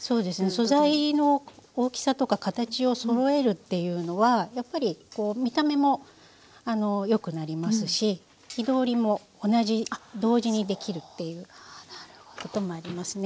素材の大きさとか形をそろえるっていうのはやっぱり見た目も良くなりますし火通りも同じ同時にできるっていうこともありますね。